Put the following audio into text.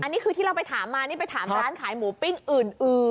อันนี้คือที่เราไปถามมานี่ไปถามร้านขายหมูปิ้งอื่น